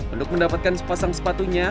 untuk mendapatkan sepasang sepatunya